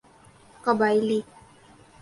قبائلی